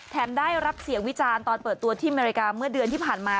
ได้รับเสียงวิจารณ์ตอนเปิดตัวที่อเมริกาเมื่อเดือนที่ผ่านมา